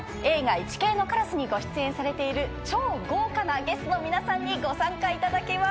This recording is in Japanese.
『イチケイのカラス』にご出演されている超豪華なゲストの皆さんにご参加いただきます。